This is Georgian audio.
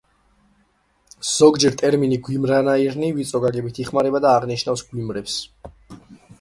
ზოგჯერ ტერმინი „გვიმრანაირნი“ ვიწრო გაგებით იხმარება და აღნიშნავს გვიმრებს.